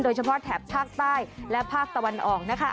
โดยเฉพาะแถบภาคใต้และภาคตะวันอ่องนะคะ